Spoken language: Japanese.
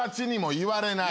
言われない。